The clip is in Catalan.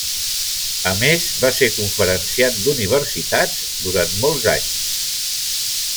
A més, va ser conferenciant d'universitats durant molts anys.